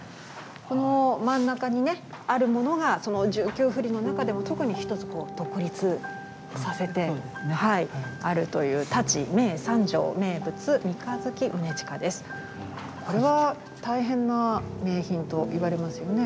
この真ん中にねあるものがその１９振りの中でも特に１つ独立させてあるというこれは大変な名品といわれますよね。